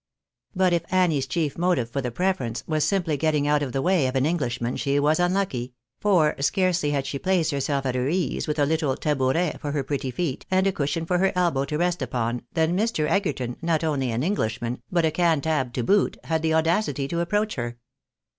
But if Annie's chief motive for the preference, was simply getting out of the way of an Englishman, she was unlucky ; for scarcely had she placed herself at her ease, with a Kttle tabouret for her pretty feet, and a cushion for her elbow to rest upon, than Mr. Egerton, not only an Englishman, but a Cantab to boot, had the audacity to approach her.